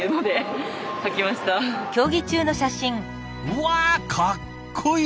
わあかっこいい！